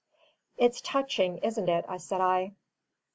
"It's touching, isn't it?" said I.